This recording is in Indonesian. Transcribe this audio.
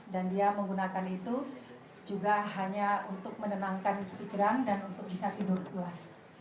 dan dia menggunakan itu juga hanya untuk menenangkan iklan dan untuk bisa tidur luas